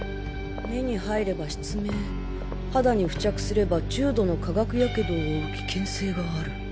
目に入れば失明肌に付着すれば重度の化学やけどを負う危険性がある。